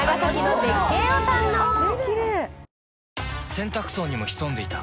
洗濯槽にも潜んでいた。